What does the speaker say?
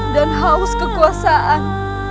dan haus kekuasaan